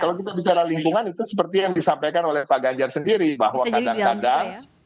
kalau kita bicara lingkungan itu seperti yang disampaikan oleh pak ganjar sendiri bahwa kadang kadang